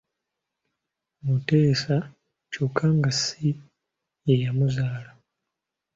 Muteesa kyokka nga si ye yamuzaala.